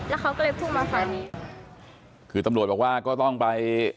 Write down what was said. แล้วเขาก็เลยพุ่งมาทางนี้คือตำรวจบอกว่าก็ต้องไป